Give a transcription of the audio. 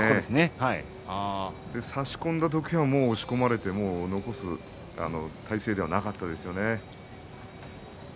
差し込んだ時はもう押し込まれて残す体勢ではなかったんですね。